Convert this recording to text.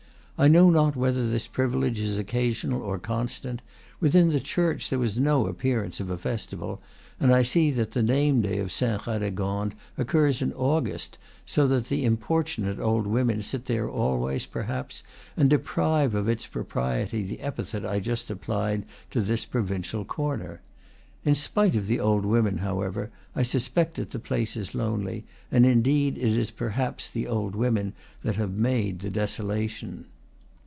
I know not whether this privilege is oc casional or constant; within the church there was no appearance of a festival, and I see that the name day of Saint Radegonde occurs in August, so that the importunate old women sit there always, perhaps, and deprive of its propriety the epithet I just applied to this provincial corner. In spite of the old women, however, I suspect that the place is lonely; and in deed it is perhaps the old women that have made the desolation.